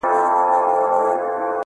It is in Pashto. ستا خوږې خبري د سِتار سره سندري دي,